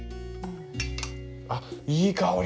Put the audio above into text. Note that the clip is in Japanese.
あっいい香り！